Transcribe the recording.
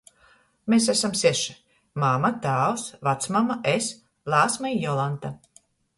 Mes asam seši — mama, tāvs, vacmama, es, Lāsma i Jolanta.